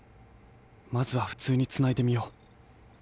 まずはふつうにつないでみよう。